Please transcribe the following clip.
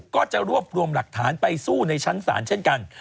ก็จะรวบรวมหลักฐานไปสู้ในชั้นศาลเช่นกัน